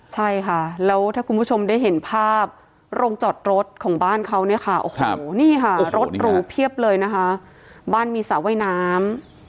ใช่ค่ะแล้วถ้าคุณผู้ชมได้เห็นภาพโรงจอดรถของบ้านเขาบ้านมีสระว่ายน้ำ